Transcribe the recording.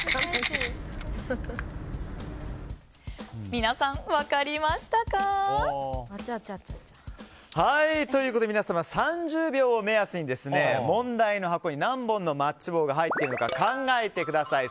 皆さん分かりましたか？ということで皆様３０秒を目安に問題の箱に何本のマッチ棒が入っているのか考えてみてください。